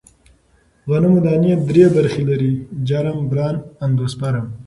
غنمو دانې درې برخې لري: جرم، بران، اندوسپرم.